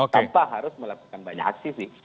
tanpa harus melakukan banyak aksi sih